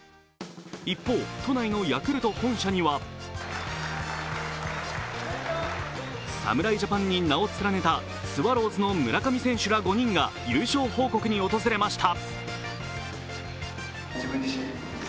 一方、都内のヤクルト本社には侍ジャパンに名を連ねたスワローズの村上選手ら５人が優勝報告に訪れました。